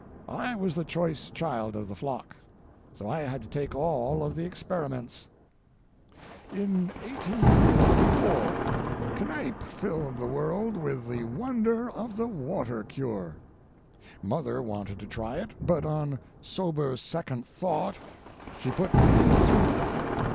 I was the choice child of the flock; so I had to take all of the experiments. In 1844 Kneipp filled the world with the wonder of the water cure. Mother wanted to try it, but on sober second thought she put me through.